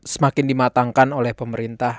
semakin dimatangkan oleh pemerintah